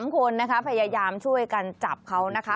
๓คนนะคะพยายามช่วยกันจับเขานะคะ